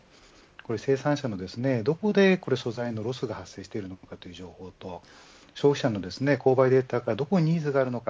生産者のどこで素材のロスが発生しているのかという情報と消費者の購買データがどこにニーズがあるのか。